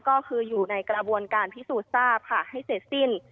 ก็คืออยู่ในกระบวนการพิสูจน์ทราบค่ะให้เสร็จสิ้น